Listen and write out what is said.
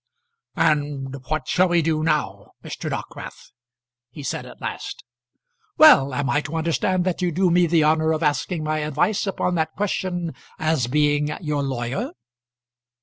"And what shall we do now, Mr. Dockwrath?" he said at last. "Well; am I to understand that you do me the honour of asking my advice upon that question as being your lawyer?"